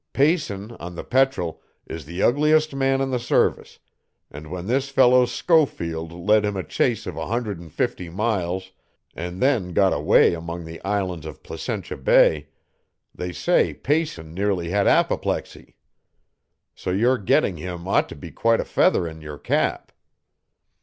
Payson, on the Petrel, is the ugliest man in the service, and when this fellow Schofield led him a chase of a hundred and fifty miles, and then got away among the islands of Placentia Bay, they say Payson nearly had apoplexy. So your getting him ought to be quite a feather in your cap."